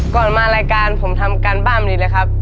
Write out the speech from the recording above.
มารายการผมทำการบ้านนี้เลยครับ